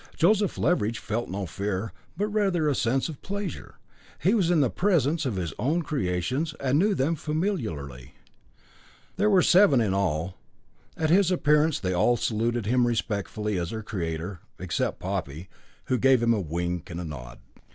Joseph Leveridge felt no fear, but rather a sense of pleasure. He was in the presence of his own creations, and knew them familiarly. There were seven in all. At his appearance they all saluted him respectfully as their creator all except Poppy, who gave him a wink and a nod.